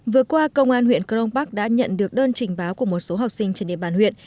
vừa qua công an huyện crong park đã nhận được đơn trình báo của một số học sinh trên địa bàn huyện